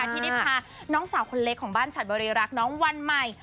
ที่ได้พาน้องสาวคนเล็กของบ้านฉัดบริรักษ์น้องวันใหม่